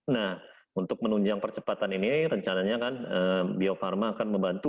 nah untuk menunjang percepatan ini rencananya kan bio farma akan membantu